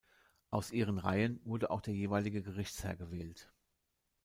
Aus ihren Reihen wurde auch der jeweilige Gerichtsherr gewählt.